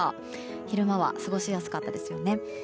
昼間は過ごしやすかったですよね。